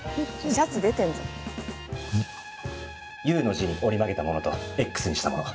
「Ｕの字に折り曲げたものとＸにしたもの。